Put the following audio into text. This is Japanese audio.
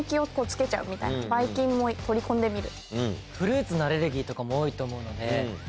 バイ菌も取り込んでみる。